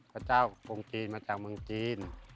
พระเจ้ากรุงจีนมาจากเมืองจีน